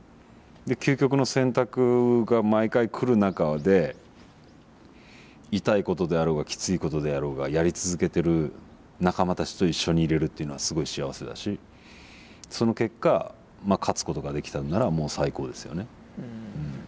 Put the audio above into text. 究極の選択が毎回来る中で痛いことであろうがきついことであろうがやり続けてる仲間たちと一緒にいれるっていうのはすごい幸せだしその結果勝つことができたのならもう最高ですよね。